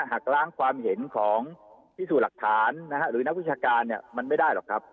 หักล้างความเห็นของพิสูจน์หลักฐานหรือนักวิชาการมันไม่ได้หรอกครับ